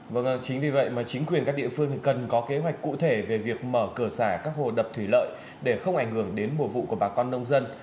vâng chính vì vậy mà chính quyền các địa phương cần có kế hoạch cụ thể về việc mở cửa xả các hồ đập thủy lợi để không ảnh hưởng đến mùa vụ của bà con nông dân